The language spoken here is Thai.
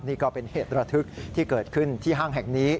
นี่ก็เป็นเหตุระทึกที่เกิดขึ้นที่ห้างแห่งนี้